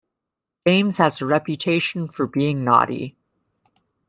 James has a reputation for being naughty.